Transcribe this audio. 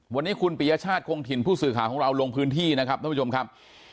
วันนี้คุณปียชาติคงถิ่นผู้สื่อข่าวของเราลงพื้นที่นะครับท่านผู้ชมครับ